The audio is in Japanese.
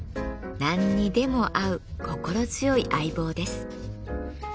何にでも合う心強い相棒です。